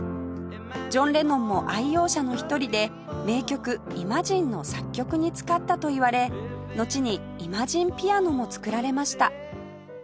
ジョン・レノンも愛用者の一人で名曲『Ｉｍａｇｉｎｅ』の作曲に使ったといわれのちにイマジンピアノも作られました